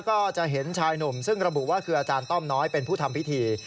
ก็จะเห็นชายหนุ่มซึ่งระบุว่าคืออาจารย์ต้อมน้อยเป็นผู้ทำพิธี